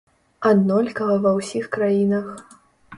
Аднолькава ва ўсіх краінах.